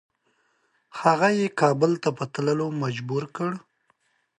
هغه یې کابل ته په تللو مجبور کړ.